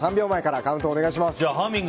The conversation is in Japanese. カウントをお願いします。